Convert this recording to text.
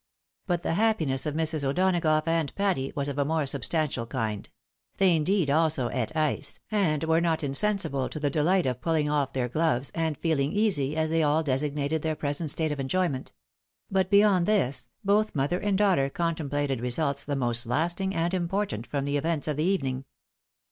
But the happiness of Mrs. O'Donagough and Patty was of a more substantial kind ; they, indeed, also eat ice, and were not insensible to the delight of pulling off their gloves, and " feeling easy," as they all designated their present state of enjoyment ; but beyond this, both mother and daughter con templated results the most lasting and important from the events of the evening.